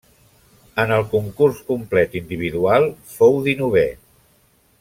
En el concurs complet individual fou dinovè.